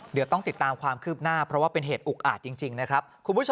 เดี๋ยวต้องติดตามความคืบหน้าเพราะว่าเป็นเหตุอุกอาจจริงนะครับคุณผู้ชม